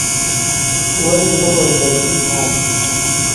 وەرن بڕۆین! مەجید هات